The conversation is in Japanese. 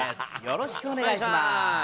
よろしくお願いします。